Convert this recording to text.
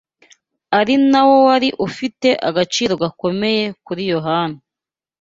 ari na wo wari ufite agaciro gakomeye kuri Yohana